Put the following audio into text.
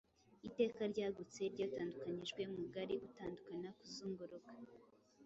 Iteka ryagutse ryatandukanijwe Mugari gutandukana kuzunguruka